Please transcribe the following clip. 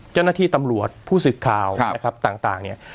เจ้าหน้าที่ตำรวจผู้สึกข่าวนะครับต่างเนี่ย